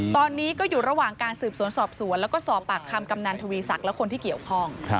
ตอนนี้ก็อยู่ระหว่างการสืบสวนสอบสวนแล้วก็สอบปากคำกำนันทวีศักดิ์และคนที่เกี่ยวข้อง